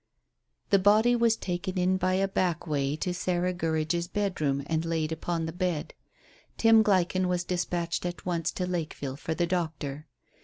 The body was taken in by a back way to Sarah Gurridge's bedroom and laid upon the bed. Tim Gleichen was dispatched at once to Lakeville for the doctor.